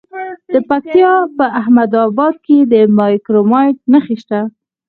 د پکتیا په احمد اباد کې د کرومایټ نښې شته.